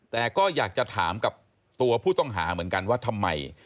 แต่ก็อยากจะถามกับตัวผู้ต้องหาเหมือนกันว่าทำไม